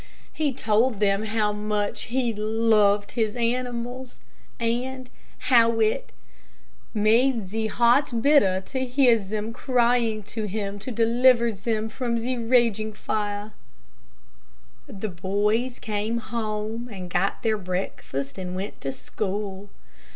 He told them how much he loved his animals, and, how it "made ze heart bitter to hear zem crying to him to deliver zem from ze raging fire." The boys came home, and got their breakfast and went to school.